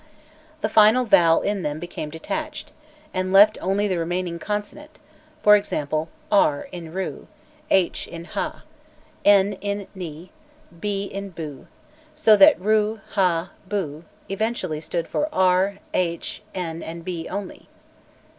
The final vowel in them became detached, and left only the remaining consonant for example, r in rû, h in ha, n in ni, b in bû so that rû, ha, bû, eventually stood for r, h, n, and b only.